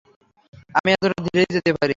আমি এতটা ধীরেই যেতে পারি।